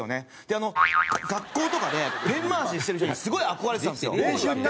であの学校とかでペン回ししてる人にすごい憧れてたんですよ。